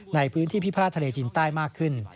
ในพื้นที่พิพาททะเลจีนใต้มากขึ้น